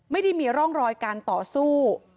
ไม่ได้มีร่องรอยการต่อสู้